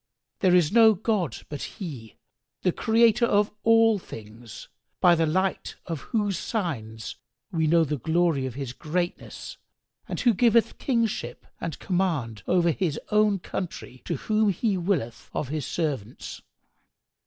There is no god but He, the Creator of all things, by the light of whose signs we know the glory of His greatness and who giveth kingship and command over his own country to whom He willeth of His servants!